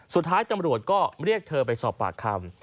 สุดท้ายตำรวจก็เรียกเธอไปสอบปากคำ